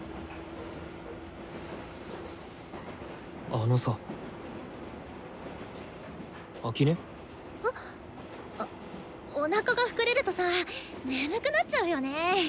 あのさ秋音？あおなかが膨れるとさ眠くなっちゃうよね。